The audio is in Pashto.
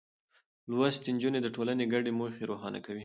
لوستې نجونې د ټولنې ګډې موخې روښانه کوي.